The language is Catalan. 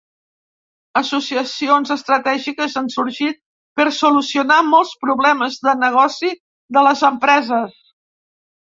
Associacions estratègiques han sorgit per solucionar molts problemes de negoci de les empreses.